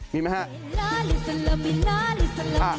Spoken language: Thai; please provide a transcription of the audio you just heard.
มีไหมฮะ